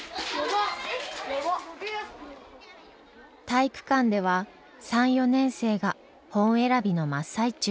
体育館では３４年生が本選びの真っ最中。